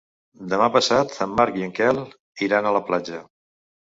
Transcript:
Demà passat en Marc i en Quel iran a la platja.